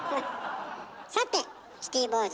さてシティボーイズ